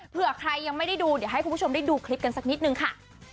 เพื่อใครยังไม่ได้ดูเดี๋ยวให้คุณผู้ชมได้ดูคลิปกันสักนิดนึงค่ะ